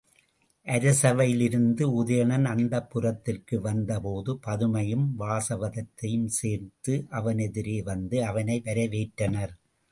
அரசவையிலிருந்து உதயணன் அந்தப்புரத்திற்கு வந்த போது பதுமையும் வாசவதத்தையும் சேர்ந்து அவனெதிரே வந்து அவனை வரவேற்றனர்.